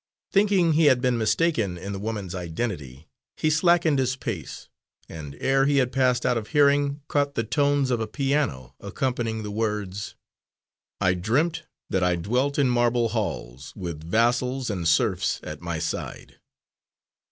Thinking he had been mistaken in the woman's identity, he slackened his pace, and ere he had passed out of hearing, caught the tones of a piano, accompanying the words, _"I dreamt that I dwelt in marble halls, With vassals and serfs at my s i i de."